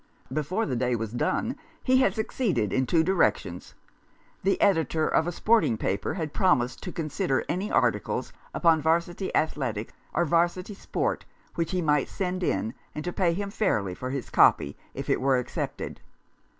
Before the day was done he had succeeded in two directions. The editor of a sporting paper had promised to consider any articles upon 'Varsity athletics or 'Varsity sport which he might send in, and to pay him fairly for his " copy " if it were accepted.